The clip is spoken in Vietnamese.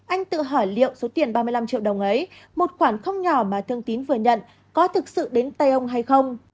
anh tự hỏi liệu số tiền ba mươi năm triệu đồng ấy một khoản không nhỏ mà thương tín vừa nhận có thực sự đến tay ông hay không